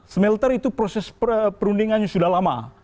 smelter itu proses perundingannya sudah lama